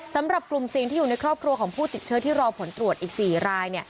สำหรับกลุ่มเสี่ยงที่อยู่ในครอบครัวของผู้ติดเชื้อที่รอผลตรวจอีก๔ราย